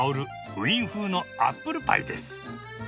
ウィーン風のアップルパイです。